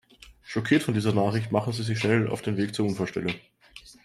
Schockiert von dieser Nachricht machen sie sich schnell auf den Weg zur Unfallstelle.